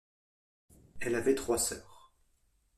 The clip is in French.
Elle avait trois sœurs.